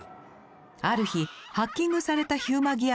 ある日ハッキングされたヒューマギアが暴走。